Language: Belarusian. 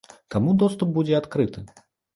Каму доступ будзе адкрыты?